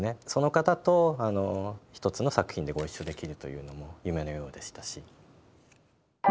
その方と１つの作品でご一緒できるというのも夢のようでしたし。